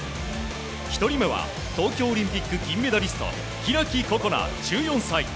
１人目は東京オリンピック銀メダリスト開心那、１４歳。